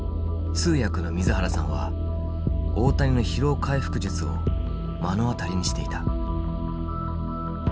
通訳の水原さんは大谷の疲労回復術を目の当たりにしていた。